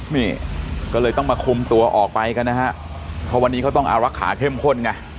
นี่ก็เลยต้องมาคุมตัวออกไปกันนะฮะเพราะวันนี้เขาต้องอารักษาเข้มข้นไง